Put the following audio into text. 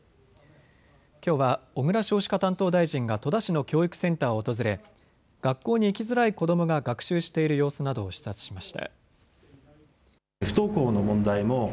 きょうは小倉少子化担当大臣が戸田市の教育センターを訪れ学校に行きづらい子どもが学習している様子などを視察しました。